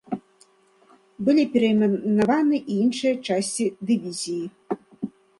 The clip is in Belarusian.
Былі перайменаваны і іншыя часці дывізіі.